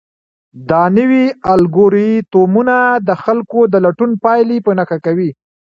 دا نوي الګوریتمونه د خلکو د لټون پایلې په نښه کوي.